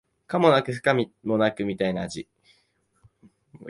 可もなく不可もなくみたいな味